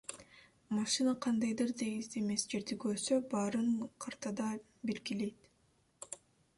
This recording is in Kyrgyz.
Машина кандайдыр тегиз эмес жерди көрсө, баарын картада белгилейт.